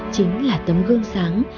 chính là tấm gương sáng